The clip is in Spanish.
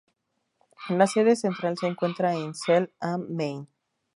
La sede central se encuentra en Zell am Main.